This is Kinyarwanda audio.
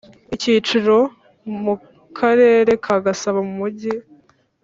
icyicaro mu karere ka Gasabo mu Mujyi